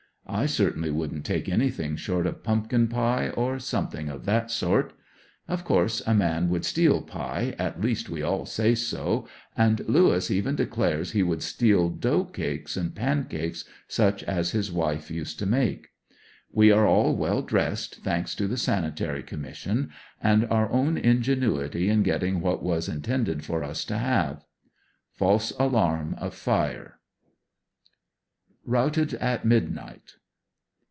I certainly wouldn't take anything short of pumpkin pie or something of that sort. Of course a man would steal pie, at least we all say so, and Lewis even declares he would steal dough cakes ANDERSONVILLE DIARY. 39 and pancakes such as his wife used to make. We are all well dressed, thanks to the Sanitary Commission and our own ingenuity in getting what was intended for us to have. False alarm of fire. Routed at Midnight.